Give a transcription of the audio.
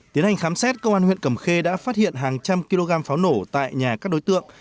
tiến hành khám xét công an huyện cẩm khê đã phát hiện hàng trăm kg pháo nổ tại nhà các đối tượng